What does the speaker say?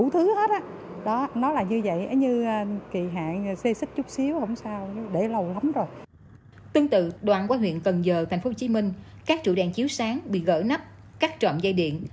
tương tự đoạn qua huyện cần giờ tp hcm các trụ đèn chiếu sáng bị gỡ nắp cắt trộm dây điện